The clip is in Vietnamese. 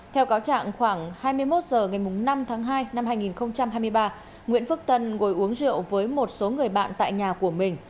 theo cáo trạng khoảng hai mươi một h ngày năm tháng hai năm hai nghìn hai mươi ba nguyễn phước tân gồi uống rượu với một số người bạn tại nhà của mình